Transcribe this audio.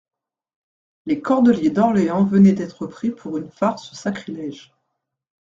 Les cordeliers d'Orléans venaient d'être pris pour une farce sacrilége.